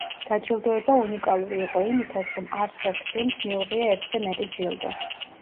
დაჯილდოება უნიკალური იყო იმითაც, რომ არც ერთ ფილმს მიუღია ერთზე მეტი ჯილდო.